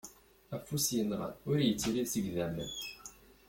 Afus yenɣan ur yettrid seg idammen.